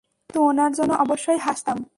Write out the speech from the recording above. কিন্তু ওনার জন্য অবশ্যই হাসতাম।